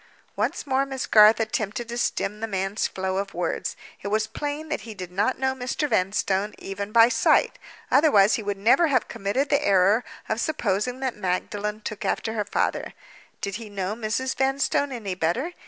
Once more Miss Garth attempted to stem the man's flow of words. It was plain that he did not know Mr. Vanstone, even by sight—otherwise he would never have committed the error of supposing that Magdalen took after her father. Did he know Mrs. Vanstone any better?